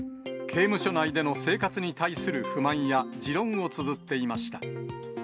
刑務所内での生活に対する不満や、持論をつづっていました。